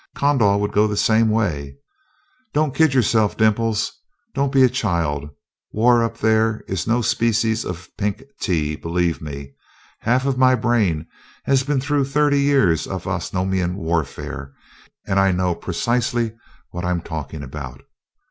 Kondal would go the same way. Don't kid yourself, Dimples don't be a child. War up there is no species of pink tea, believe me half of my brain has been through thirty years of Osnomian warfare, and I know precisely what I'm talking about.